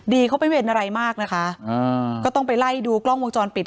เขาไม่เวรอะไรมากนะคะอ่าก็ต้องไปไล่ดูกล้องวงจรปิด